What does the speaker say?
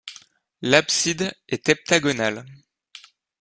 L'abside est heptagonale.